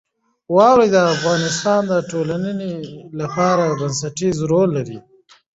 وادي د افغانستان د ټولنې لپاره بنسټيز رول لري.